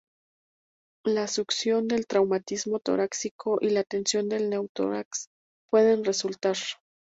La succión del traumatismo torácico y la tensión del neumotórax puede resultar.